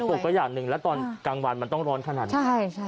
ปกก็อย่างหนึ่งแล้วตอนกลางวันมันต้องร้อนขนาดนี้ใช่ใช่